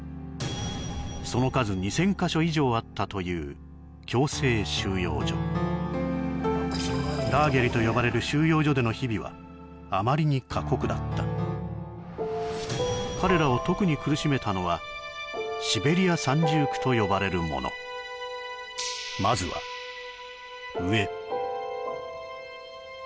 その数２０００か所以上あったという強制収容所ラーゲリと呼ばれる収容所での日々はあまりに過酷だった彼らを特に苦しめたのはシベリア三重苦と呼ばれるものまずは飢え